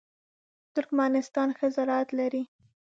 ترکمنستان ښه زراعت لري.